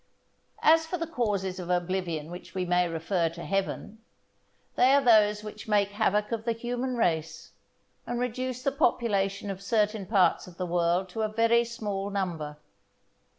As for the causes of oblivion which we may refer to Heaven, they are those which make havoc of the human race, and reduce the population of certain parts of the world to a very small number.